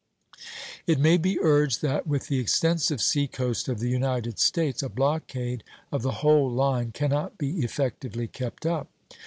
It may be urged that, with the extensive sea coast of the United States, a blockade of the whole line cannot be effectively kept up.